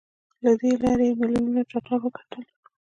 له دې لارې يې ميليونونه ډالر وګټل.